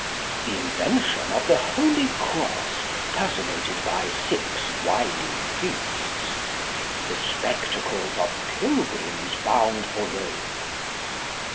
The Invention of the Holy Cross, personated by six wily Priests. The Spectacles of Pilgrims bound for Rome.